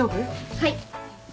はい。